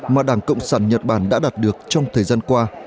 mà đảng cộng sản nhật bản đã đạt được trong thời gian qua